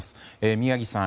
宮城さん